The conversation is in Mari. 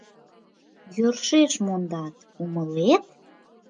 Йӧршеш мондат, умылет?